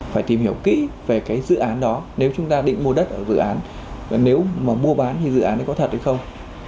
phải tìm hiểu kỹ về cái dự án đó nếu chúng ta định mua đất ở dự án nếu mà mua bán thì dự án đấy có thật hay không